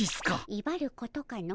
いばることかの。